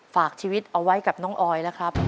ฝากชีวิตเอาไว้กับน้องออยนะครับ